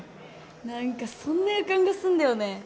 何かそんな予感がすんだよね